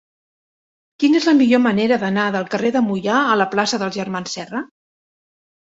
Quina és la millor manera d'anar del carrer de Moià a la plaça dels Germans Serra?